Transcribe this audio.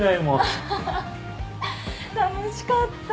アハハ楽しかった。